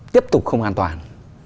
tiếp tục không an toàn